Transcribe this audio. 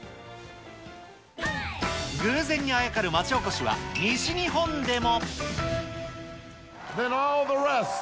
偶然にあやかる町おこしは、西日本でも。